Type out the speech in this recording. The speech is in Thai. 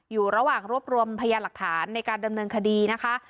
อยู่ระหว่างรวบรวมพยานหลักฐานในการดำเนินคดีนะคะ